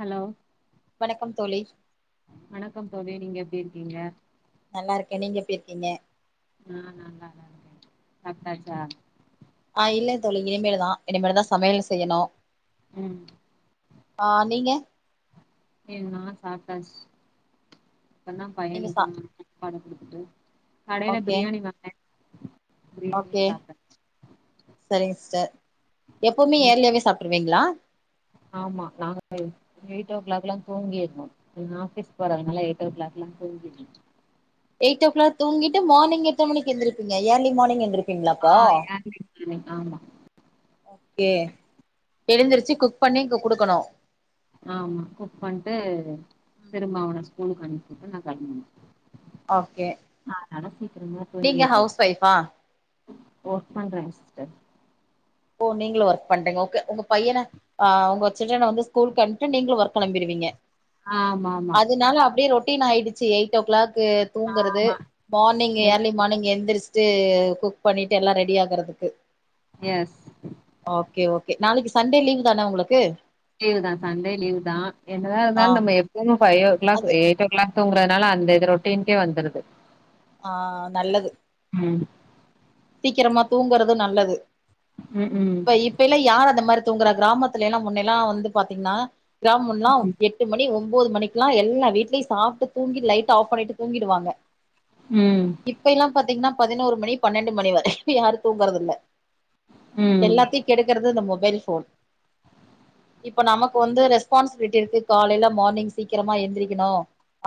Hello வணக்கம் தோழி வணக்கம் தோழி நீங்க எப்டி இருக்கீங்க நல்லா இருக்க நீங்க எப்டி இருக்கீங்க சாப்டாச்சா ஆ இல்ல தோழி இனிமேலுதா இனமேலுதா சமையல் செய்யனு ம் நீங்க ஏ நா சாப்ட்டாஷ் இப்பந்தா நீங்க சா பையனுக்கு ஊட்டி விட்ட ஓகே பிரியாணியு சாப்ட்டாச்சு எப்பமே ஏர்லியாவே சாப்ட்ருவீங்ளா ஆமா நாங்க [inaudible] எயிட் ஓ கிளாக் லா தூங்கிருனு இவுங்க ஆஃபீஸ் போறாங்ளா எயிட் ஓ கிளாக் லா தூங்கிருனு எய்ட் ஓ கிளாக் தூங்கிட்டு மார்னிங் எத்தன மணிக்கெந்திருப்பீங்க இயர்லி மார்னிங் எந்திருப் ஆ ஏர்லி மார்னிங் ஆமா ஓகே எழுந்திருச்சி குக் பண்ணி இங்க குடுக்கணு ஆமா குக் பண்ட்டு திரும்ப அவன ஸ்கூலுக்கு அனுப்பிட்டு நா கெளம்புனோ ஓகே சீக்கிரமா நீங்க தூங்கிர்றது ஹவுஸ் ஒய்ஃப்பா ஒர்க் பண்றங் சிஸ்டர் ஓ நீங்களோ ஒர்க் பண்றீங்க ஓகே உங்க பையன ஆ உங்க சில்ட்ரன்ன வந்து ஸ்கூல்க்கு அம்ட்டு நீங்களும் ஒர்க் கெளம்பிடுவீங்க ஆமா ஆமா அதனால அப்டியே ரொட்டீன் ஆயிடுச்சு எயிட் ஓ கிளாக்கு தூங்கறது ஆமா மார்னிங் எயிட் ஏர்லி மார்னிங் எந்திரிஷ்ட்டு குக் பண்ணிட்டு எல்லா ரெடி ஆகறதுக்கு எஸ் ஓகே ஓகே நாளைக்கு சண்டே லீவ் தான உங்களுக்கு லீவ் தா சண்டே லீவ் தா என்னதா ஆ இருந்தாலும் நம்ப எப்பமு ஃபைவ் ஓ கிளாக் அது எயிட்டோ எல்லா தூங்கறனால அந்த இது ரொட்டின்க்கே வந்துருது ஆ நல்லது ம் சீக்கிரமா தூங்குறது நல்லது ம் ம் இப்பெய்ல்ல யார் அந்த மாரி தூங்கற கிராமத்துல எல்லா முன்ன எல்லா வந்து பாத்தீங்ன்னா கிராமும்ல்லா எட் எட்டு மணி ஒம்போது மணிக்லா எல்லா வீ்ட்லயும் சாப்ட்டு தூங்கி லைட் ஆஃப் பண்ணிட்டு தூங்கிடுவாங்க ம் இப்பெய்ல்லா பாத்தீங்ன்னா பதினோரு மணி பன்னெண்டு மணி வரை யாரும் தூங்கறது இல்ல ம் எல்லாத்தையு கெடுக்கறது இந்த மொபைல் ஃபோன் இப்ப நமக்கு வந்து ரெஸ்பான்சிபிலிட்டி இருக்கு காலையில மார்னிங் சீக்கிரமா எந்திரிக்கணு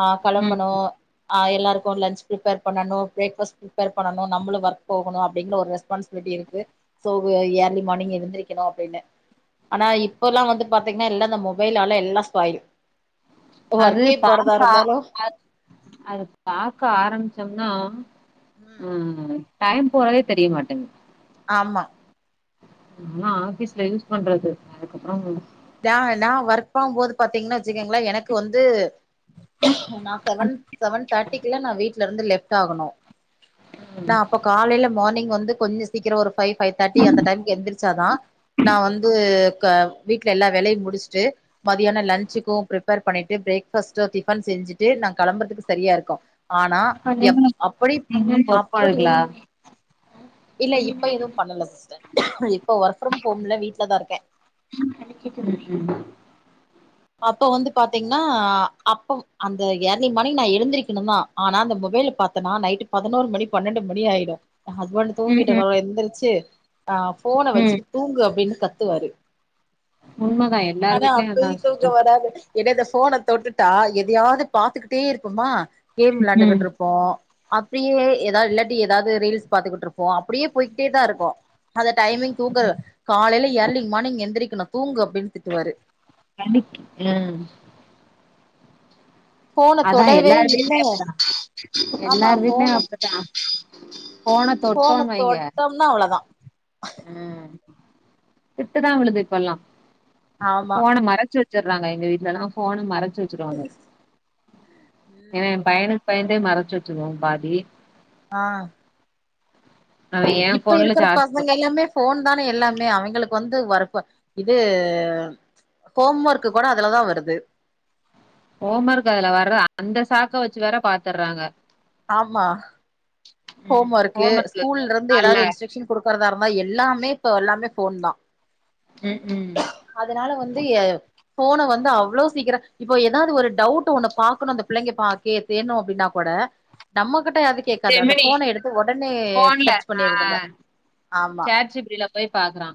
ஆ ம் கெளம்புனோ ஆ எல்லாருக்கும் லன்ச் ப்ரீப்பேர் பண்ணனும் பிரேக்ஃபஸ்ட் ப்ரீப்பேர் பண்ணனும் நம்ப்ளு ஒர்க் போகணு அப்டின் ஒரு ரெஸ்பான்ஸ்பிலிட்டி இருக்கு சோ ஏர்லி மார்னிங் எழுந்திரிக்கணு அப்டின்னு ஆனா இப்ப எல்லா வந்து பாத்தீங்ன்னா எல்லா நம்மோ இந்த மொபைல் ஆல எல்லா ஸ்பாயில் அது ஒர்க்கே போறதா பாவ்க்கா இருந்தாலு அது பாக்க ஆரம்ச்சோம்னா ம் டைம் போறதே தெரிய மாட்டேங் ஆமா லா ஆபீஸ்ல யூஸ் பண்றது அதுக்கப்பறோ தா நா ஒர்க் ப போது பாத்தீங்ன்னா வச்சுக்கங்ளே எனக்கு வந்து நா செவன் செவன் தேர்ட்டிக்குலா நா வீட் ல இருந்து லெஃப்ட் ஆகணு ம் நா அப்ப காலைல மார்னிங் வந்து கொஞ்ச சீக்கிர ஒரு ஃபைவ் ஃபைவ் தேர்டி அந்த டைம்க் எந்திரிச்சா தா நா வந்து கா வீட்ல எல்லா வேலயு முடிஸ்ட்டு மதியான லன்ச்சுக்கு ப்ரிப்பேர் பண்ணிட்டு பிரேக் ஃபாஸ்ட்டு டிஃபன் செஞ்சுட்டு நா கெளம்பறதுக்கு சரியா இருக்கு ஆனா எப் அப்படி அப்படி பொறுப்பாள்களா இல்ல இப்ப ஏது பண்ணல சிஸ்டர் இப்ப ஒர்க் ஃப்ரம் ஹோம்ல வீட்ல தா இருக்கே ம் ம் அப்ப வந்து பாத்தீங்ன்னா அப்ப அந்த ஏர்லி மார்னிங் நா எழுந்திருக்கணுந்தா ஆனா அந்த மொபைல் பாத்தனா நைட்டு பதனோரு மணி பன்னெண்டு மணி ஆய்டு ஹஸ்பண்ட் ம் ம் தூங்கிட்டவர் எந்திரிச்சு ஆ போன ம் வச்சுட்டு தூங்கு அப்டின் கத்துவாரு உண்மதா எல்லார் வீ்ட்லயு அதா சிஸ்டர் அதாவ்து என்ன இந்த ஃபோன தொட்டுட்டா எதயாது பாத்துக்கிட்டே இருக்கோமா கேம் ம் விளாண்டுகிட்டு இருப் போ அப்டியே எதாது இல்லாட்டி ஏதாது ரீல்ஸ் பாத்துக்கிட்ருப்போ அப்டியே போய்கிட்டே தா இருக்கு அந்த டைமிங் தூங்கு காலேல எர்லி் மார்னிங் எந்திரிக்கணு தூங்கு அப்டின் திட்டுவாரு டைமிக் ம் ஃபோன அதா தொடவே எல்லார் இல்ல வீட்லயு தா ஆமா எல்லார் வீட்லயு ஃபோன அப்டிதா ஃபோன ஃபோன தொட்டோன் வைங்க தொட்டோம்னா அவ்ளோதா உ திட்டுதா விழுது இப்பல்லா ஆமா ஃபோன மறச்சு வச் சற்றாங்க எங்க வீட்லல்லா ஃபோன மறச்சு வச்சுருவாங்க ஏன்னா ம் எ பய்யனுக் பயந்தே மறச்சு வச்சிருவோ பாதி ஆ அவ எ இப்ப ஃபோன்ல இருக்கிற சார்ஜ் போ பசங்க எல்லாமே ஃபோன் தானே எல்லாமே அவிங்களுக் வந்து ஒர்க்வ இது ஹோம் ஒர்க் கூட அதுலதா வருது ஹோம்ஒர்க் அதுல வர்ர அந்த சாக்க வச்சு வேற பாத்தற்றாங்க ஆமா ஹோம் ஒர்க்கு ஸ்கூல்லருந்து அல்ல எதாது இன்ஸ்ட்ரக்ஷன் குடுக்கறதா இருந்தா எல்லாமே இப்ப எல்லாமே ஃபோன் தா ம் ம் அதனால வந்து ஏ ஃபோன வந்து அவ்ளோ சீக்கிர இப்போ எதாது ஒரு டவுட் ஒன்ன பாக்கணு அந்த பிள்ளைங்க பாக் கே வேணு அப்டினா கூட நம்மகிட்ட அதுக் கேக்காது அந்த ஜெமினி ஃபோன எடுத்து ஒடனே சர்ச் பண்ணிடுதுங்க சேட் ஜி பி டில போய் பாக்கறா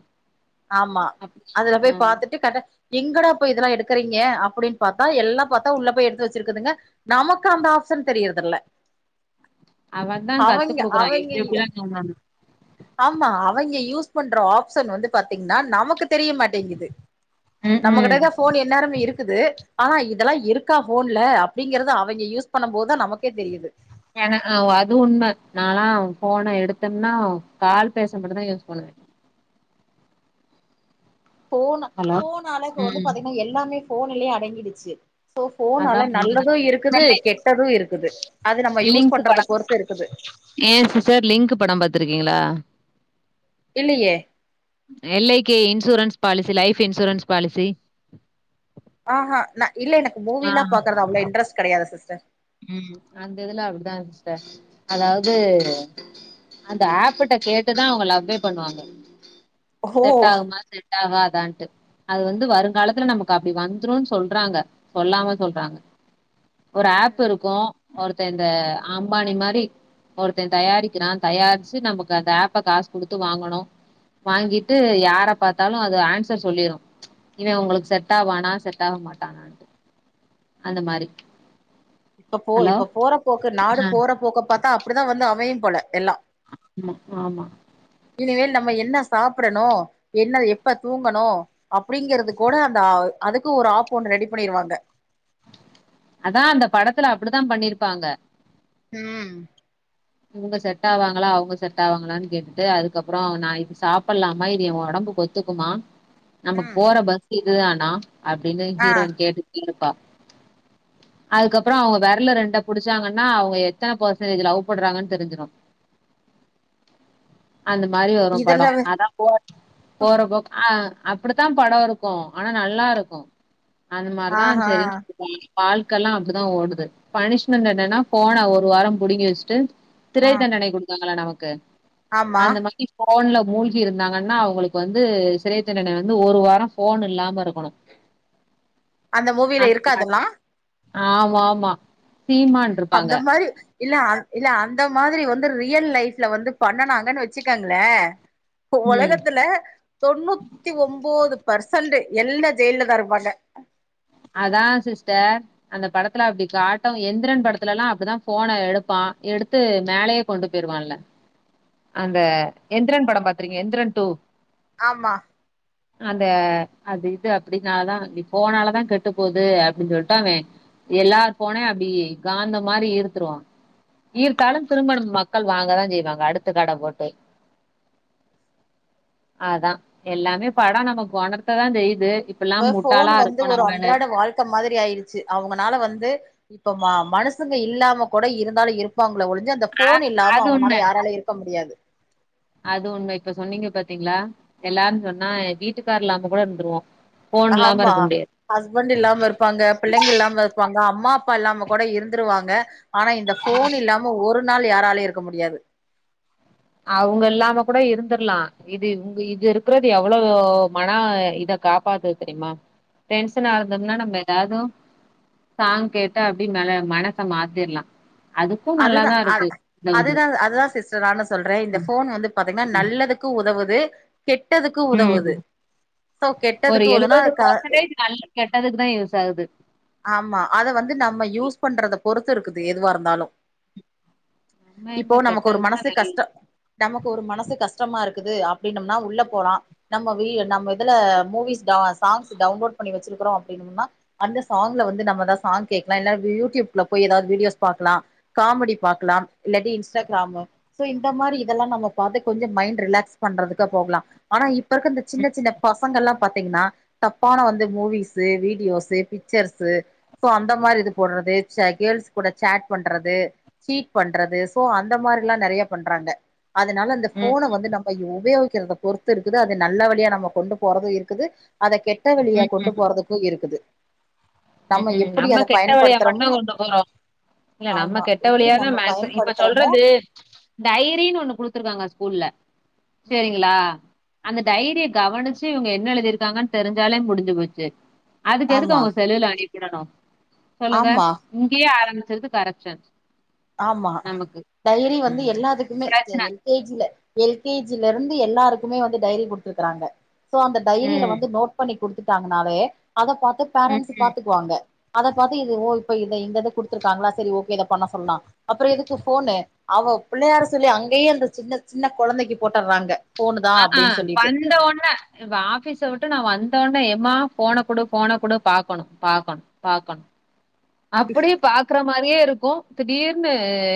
ஆமா அதுல போய் பாத்துட்டு கட எங்கடா போய் இதெல்லா எடுக்கறீங்க அப்படின் பாத்தா எல்லா பாத்தா உள்ள போய் எடுத்து வச்சிருக்குதுங்க நமக்கு அந்த ஆப்ஷன் தெரியர்தில்ல அவந்தா கத்து குடுக்குறா அவைங்க எப்டி எப்டிலா கெம்மன் ஆமா அவைங்க யூஸ் பண்ற ஆப்ஷன் வந்து பாத்தீங்னா நமக்கு தெரிய மாட்டேங்குது ம் நம்ம ம் கிட்டதா ஃபோன் எந்நேரமு இருக்குது ஆனா இதலா இருக்கா ஃபோன்ல அப்டிங்கறது அவைங்க யூஸ் பண்ணம்போதா நமக்கே தெரியிது ஏனா ஆமா அது உண்ம நாலா ஃபோன எடுத்தம்னா கால் பேச மட்டுதா யூஸ் பண்ணுவே ஃபோனா ஹலோ ஃபோனாலே இப்ப வந்து ம் பாத்தீங்கனா எல்லாமே ஃபோன்லே அடங்கிடுச்சு சோ அதா ஃபோனால உண்மதா நல்லது இருக்குது நல்ல கெட்டது இருக்குது அது நம்ம யூஸ் லிங்க் பண்றத படம் பொறுத்து இருக்குது ஏ சிஸ்டர் லிங்க்கு படம் பாத்துருக்கீங்களா இல்லியே L I K insurance policy life insurance policy ஆஹா ந இல்ல எனக்கு ஆ மூவிலா பாக்கறது அவ்ளோ இன்ட்ரஸ்ட் கெடயாது சிஸ்டர் ம் அந்த இதுல அப்டிதா சிஸ்ட அதாவ்து அந்த ஆப்பிட்ட கேட்டுதா அவங்க லவ்வே பண்ணுவாங்க ஓ செட்டாகுமா செட் டாகாதான்ட்டு அது வந்து வருங்காலத்துல நமக்கு அப்டி வந்துருன் சொல்றாங்க சொல்லாம சொல்றாங்க ஒரு ம் ஆப்புருக்கூ ஒருத்த இந்த ம் அம்பானி மாரி ஒருத்த தயாரிக்கிறா தயாரிச்சு நமக்கு அந்த அப்ப காசு குடுத்து வாங்கணு ம் வாங்கிட்டு யார பாத் தாலு அது அன்சர் சொல்லிரு இவே உங்களுக்கு செட் ஆவானா செட் ஆக மாட்டானான்டு அந்த மாரி இப்ப போ ஹலோ இப்ப போற போக்க நாடு போற போக்க பாத்தா அப்டிதா வந்து அமையு போல எல்லா ம் ஆமா இனியேல் நம்ம என்ன சாப்டணு என்ன எப்ப தூங்கணு அப்டிங்கறது கூட அந்த அதுக்கு ஒரு ஆப் ஒண்ணு ரெடி பண்ணிருவாங்க அதா அந்த படத்துல அப்டிதா பண்ணிருப்பாங்க ம் இவங்க செட் ஆவாங்களா அவங்க செட் ஆவாங்களானு கேட்டுட்டு அதுக்கப்றோ நா இது சாப்பல்லாமா இது எ ஒடம்புக் ஒத் துக்குமா நம்ம ம் போற பஸ்சு இதுதானா அப்டின்னு ஆ ஹீரோயின் கேட்டு இருப்பா அதுக்கப்றோ அவங்க வெரல ரெண்டா புடிச்சாங்கன்னா அவங்க எத்தன பசனேஜ் லவ் போடுறாங்கன் தெரிஞ்சிரு அந்த மாரி வரு படோ இதெல்லா அதா போ போறபோக் ஆ அப்புடித்தா படோ இருக்கூ ஆனா நல்லாருக்கூ அந்த மாருதா ஆஹா செரின்னு பொய் வாழ்க்கெல்லா அப்டிதா ஓடுது பனிஷ்மெண்ட் என்னன்னா ஃபோன ஒரு வாரம் புடிங்கி வச்சுட்டு ஆ சிறை தண்டனை குடுக்காங்கள நமக்கு ஆமா அந்த மைத்தி ஃபோன்ல மூழ்கி இருந்தாங்கன்னா அவங்களுக்கு வந்து சிறை தண்டனை வந்து ஒரு வாரோ ஃபோன் இல்லாம இருக்கணு [inaudible] அந்த மூவில இருக்காதுங்ளா ஆமாமா சீமான் இருப்பாங்க அந்த மாரி இல்ல அந் இல்ல அந்த மாதிரி வந்து ரியல் லைஃப்ல வந்து பண்ணுனாங்கன் வச்சுக்கங்களே இந்த ம் ஒலகத்துல தொண்ணூத்தி ஒம்போது பர்சன்ட்டு எல்லா ஜெயில்லதா இருப்பாங்க அ அதான் சிஸ்டர் அந்த படத்துல அப்படி காட்டும் எந்திரன் படத்துல எல்லா அப்படிதா ஃபோன எடுப்பா எடுத்து மேலயே கொண்டு போயிருவான்ல அந்த எந்திரன் படம் பாத்துறீங்க எந்திரன் டூ ஆமா அந்த அது இது அப்படினால தா நீ போனால தா கெட்டு ட்டு போகுது அப்டின்னு சொல்லிட்டு அவன் எல்லா ஃபோனயு அப்டி காந்த மாரி இருத்துருவா ஈர்த்தாலு திரும்ப நம்ம மக்கள் வாங்கதா செய்வாங்க அடுத்து கடை போட்டு அதா எல்லாமே படம் நம்ம உணர்ததா செய்து இப்ப போன் வந்து ஒரு அன்றாட வாழ்க்கை மாரி ஆயிருச்சு அவுங்கனால வந்து இப்பமா மனுசுங்க இல்லாம கூட இருந்தாலு இருப்பாங்கள ஒழிஞ்ச இந்த ஃபோன் இல்லாம அது ஒண்ணு அவங்கனால யாராலு இருக்க முடியாது அது உண்மை இப்ப சொன்னீங்க பாத்தீங்களா எல்லாரருன் சொன்னா வீட்டுக்காரு இல்லாம கூட இருந்துருவோ ஆமா ஹஸ்பண்ட் இல்லாம இருப்பாங்க பிள்ளைங்க இல்லாம இருப்பாங்க அம்மா அப்பா இல்லாம கூட இருந்துருவாங்க ஆனா இந்த ஃபோன் இல்லாம ஒரு நாள் யாராலயு இருக்க முடியாது அவுங்க இல்லாம கூட இருந்துருலா இது இங்க இது இருக்குறது எவ்வளவு மன இத காப்பாத்து தெரியுமா டென்ஷனா இருந்தோம்னா நம்ம எதாவது சாங் கேட்டா அப்படி ம மனச மாத்திரலா அதுதா அ இது அதுதா அதுதா சிஸ் டர் நானு சொல்றே இந்த ஃபோன் வந்து பாத்தீங்கன்னா நல்லதுக்கு உதவுது கெட்டதுக்கு உதவுது ம் சோ ஒரு கெட்டதுக்கு உதவுனா எழுபது க பெர்சன்டேஜ் நல்ல கெட்டதுக்கு தா யூஸ் ஆகுது ஆமா அதை வந்து நம்ம யூஸ் பண்றத பொறுத்து இருக்குது எதுவா இருந்தாலு நம்ம இப்போ எங்க நமக்கு ஒரு மனசு கெட்டதுக்குதான் கஷ்ட நல்லது நமக்கு ஒரு மனசு கஷ்டமா இருக்குது அப்டினம்னா உள்ள போலா நம்ம வீ நம்ம இதுல மூவிஸ் சாங்ஸ் டவுன்லோட் பண்ணி வச்சிருக்கிறோ அப்படினும்னா அந்த சாங்ல வந்து நம்மதா சாங் கேக்லா இல்லா யூடியூப்ல போய் எதாவது விடியோஸ் பாக்கலா காமெடி பாக்கலாம் இல்லாட்டி இன்ஸ்டாகிராமு சோ இந்த மாரி இதெல்லா நம்ம பாத்து கொஞ்ச மைண்ட் ரிலாக்ஸ் பண்றதுக்கு போகலா ஆனா இப் இப்ப இருக்க சின்ன சின்ன பசங்கல்லா பாத்தீங்கனா தப்பான வந்து மூவிஸ் வீடியோஸு பிக்ச்ர்ஸு சோ அந்த மாரி இது போட்றது கேள்ஸ் கூட சாட் பண்றது சீட் பண்றது சோ அந்த மாரில்லா நெறய பண்றாங்க அதனால அந்த ம் ஃபோன வந்து நம் ம உபயோகிக்கிறத பொறுத்து இருக்குது அத நல்ல வழியா நம்ம கொண்டு போறது இருக்குது அத கெட்ட வழியா ம் கொண்டு ம் போறதுக்கு இருக்குது ம் ம் எப்படி நம்ம அத கெட்ட வழியா மட்டுதா பயன்படுத்துறோமோ கொண்டு போறோ இல்ல நம்ம ஆமா கெட் கெட்ட எப்படி வழியாதா நம்ம மேக்ஸ் இப்ப பயன்படுத்துறோமோ சொல்றது டைரினு ஒண்ணு குடுத்துருக்காங்க ஸ்கூல்ல ம் சேரிங்களா அந்த ம் டைரிய கவனிச்சு இவுங்க என்ன எழுதிருக்காங்கன்னு தெரிஞ்சாலே முடிஞ்சு போச்சு அதுக்கு எதுக்கு ஆமா அவங்க செல்லுல அனுப்பிவிடனு சொல்லுங்க ஆமா இங்கயே ஆரம்பிச்ருது கரப்ஷன் ஆமா நமக்கு டைரி வந்து ம் எல்லாத்துக்குமே பிரச்சன எல் கே ஜில எல் கே ஜில இருந்து எல்லாருக்குமே வந்து டைரி குடுத்துருக்கறாங்க சோ அந்த டைரியில ம் வந்து நோட் பண்ணி குடுத்துட்டாங்கன்னாலே அத பாத்து பேரண்ட்ஸ் ம் பாத்துக்குவாங்க அத பாத்து இது ஓ இப்ப இத இந்த இத குடுத்துருகாங்களா சரி ஓகே இத பண்ண சொல்லலா அப்புற எதுக்கு போனு அவ பிள்ளையார் சொல்லி அங்கயே அந்த சின்ன சின்ன குழந்தைக்கு போட்டுறாங்க ஆ ஆ வந்தோனே இப்ப ஆஃபிஸ விட்டு நா வந்தொன்ன எம்மா ஃபோன குடு ஃபோன குடு பாக்கணு பாக்கணு பாக்கணு அப்டியே பா க்கற மாரியே இருக்கு திடீர்னு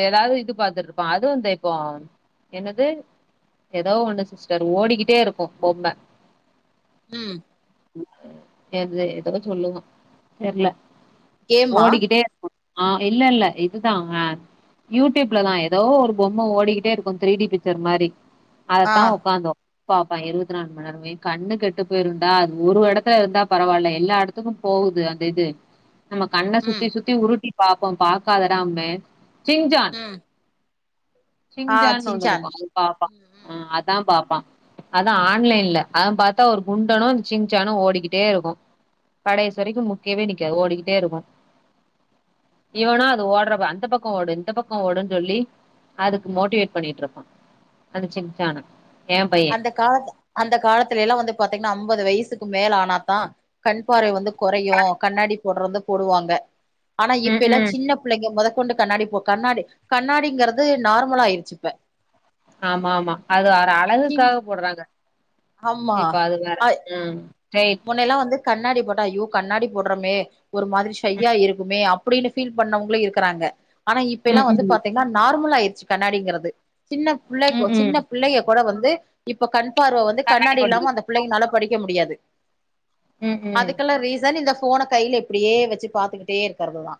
எதாவது இது பாத்துட்டு இருப்பான் அது வந்து இப்போ என்னது எதோ ஒண்ணு சிஸ்டர் ஓடிக்கிட்டே இருக்கு பொம்ம ம் எது எதோ சொல்லுவான் தெர்ல கேமா ஓடிக்கிட்டே இருக்கு ஆ இல்ல இல்ல இதுதான் அ யூடியூப்லதான் எதோ ஒரு பொம்ம ஓடிக்கிட்டே இருக்கு த்ரீ டி பிச்சர் மாரி ஆ அதத்தான் ஒக்காந்தோ பாப்பான் இருவத்தி நாலு மண் நேரமு ஏ கண்ணு கெட்டு போயிருண்டா அது ஒரு எடத்துல இருந்தா பரவால எல்லா எட த்துக்கும் போகுது அந்த இது நம்ம கண்ண சுத்தி ம் சுத்தி உருட்டி பாப்போம் பாக்காதடான்ப சிங்ஜான் ம் ஆ சிங்ஜான்னு ஒண்ணு சின்சான் இருக்கு அது பாப்பான் ம் ம் அ அதான் பாப்பான் அதான் ஆன்லைன்லா அதான் பாத்தா ஓரு குண்டணு சின்ச்சானு ஒடிகிட்டே இருக்கு கடைசி வரைக்கு நிக்கவே நிக்காது ஓடிக்கிட்டே இருக்கு இவனா அது ஓடுறப்ப அந்த பக்கோ ஓடு இந்த பக்கோ ஓடுனு சொல்லி அதுக்கு மோட்டிவேட் பண்ணிட்டு இருப்பான் அந்த சின்சான என் பையன் அந்த கால அந்த காலத்துல எல்லா வந்து பாத்தீங்கன்னா அம்பது வயசுக்கு மேல ஆனாத்தா கண் பார்வை வந்து கொறயு கண்ணாடி போடறத போடுவாங்க ஆனா இப்பயெல்லா ம்ம். சின்ன பிள்ளைங்க மொத கொண்டு கண்ணாடி போ கண்ணாடி கண்ணாடிங்கிறது நார்மலா ஆயிருச்சு இப்ப ஆமாமா அது சின் அழகுக்காக போடுறாங்க ஆமா இப்ப அது வேற ஆ ஸ்டைல் முன்னேல்லா வந்து கண்ணாடி போட்டா அய்யோ கண்ணாடி போடறமே ஒரு மாரி ஷையா இருக்குமே இப்டினு பீல் பண்ணவங்களு இருக்கறாங்க ஆனா இப்ப எல்லா வந்து ம்ம். பார்த்தீங்கன்னா நார்மல் ஆயிருச்சு கண்ணாடிங்கிறது சின்ன புள்ள ம்ம். சின்ன புள்ளய கூட வந்து இப்ப கண் பார்வ வந்து கண்ணாடி இல்லாம அந்த புள்ளைங்கனால படிக்க முடியாது ம்ம். அதுக்கெல்லா ரீசன் இந்த ஃபோன கைல இப்டியே வெச்சு பாத்துக்கிட்டே இருக்கறதுதா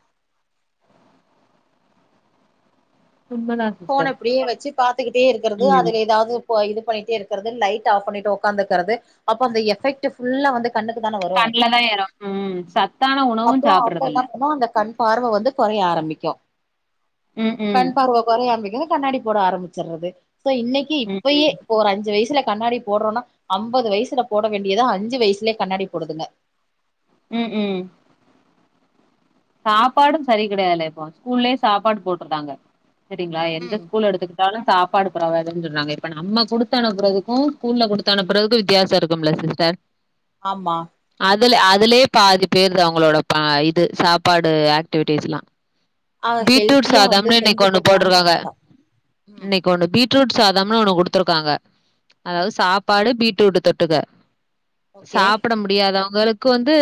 உண்மதாங் ஃபோன இப்டியே வெச்சி பாத்துகிட்டே இருக்கறது ம். அதுல எதாவது போ இது பண்ணிட்டே இருக்கறது லைட்ட ஆஃப் பண்ணிட்டு உக்காந்திருக்கறது அப்ப அந்த எஃபெகாட் ஃபுல்லா வந்து கண்ணுக்குதான வரு கண்ணில தான் ஏறும் ம். சத்தான உணவும் அப்போ அப்போ சாப்பிடுறது என்ன இல்ல பண்ணூ அந்த கண் பார்வ வந்து கொறையா ஆரம்பிக்கு ம்ம். கண் பார்வ கொறைய ஆரம்பிக்கவு காண்ணடி போடா ஆரம்பிச்சிர்றது சோ இன்னைக்கு ம்ம். இப்பயே இப்போ ஒரு அஞ்சு வயசுல கண்ணாடி போடுறோனா அம்பது வயசுல போட வேண்டியத அஞ்சு வயசிலயே கண்ணாடி போடுதுங்க ம் ம் சாப்பாடும் சரி கெடையாதில்ல இப்போ ஸ்கூல்லயே சாப்பாடு போட்டறந்தாங்க செரிங்ளா எந்த ம் ஸ்கூல் எடுத்து இருந்தாலு சாப்பாடு பரவால்லன் சொன்னாங்க இப்ப நம்ம குடுத்தனுப்பறதுக்கு ஸ்கூல்ல குடுத்தனுப்பறதுக்கு வித்தியாசோ இருக்குமல்ல சிஸ்டர் ஆமா அதுல அதுலயே பாதி பேருதா அவுங்களோட ப இது சா சாப்பாடு ஆக்டிவிட்டீஸ்ல்லா ஆ பீட்ரூட் ஹெல்த்தியா வந்து சாதம்ன்னு இன்னிக்கு செஞ்சு ஒண்ணு குடுத்தாங்க போட்ருவாங்க ம் இன்னை இங்க ஒண்ணு பீட்ரூட் சாதம்ன்னு ஒண்ணு குடுத்துருக்காங்க அதாவது ம் சாப்பாடு பீட்ரூட் தொட்டுக்க ஓகே சாப்ட முடியாதவங்களுக்கு வந்து